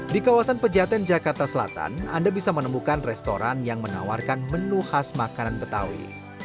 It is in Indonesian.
di kawasan pejaten jakarta selatan anda bisa menemukan restoran yang menawarkan menu khas makanan betawi